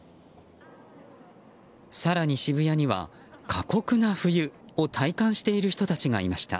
更に渋谷には過酷な冬を体感している人たちがいました。